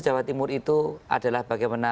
jawa timur itu adalah bagaimana